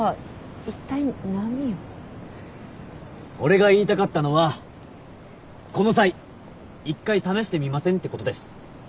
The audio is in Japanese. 俺が言いたかったのはこの際一回試してみません？ってことです。